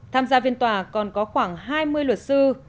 tham gia viên tòa còn có khoảng hai mươi luật sư